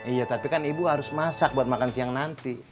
iya tapi kan ibu harus masak buat makan siang nanti